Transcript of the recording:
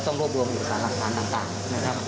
ต้องรวบรวมอุตสารหลักฐานต่างนะครับ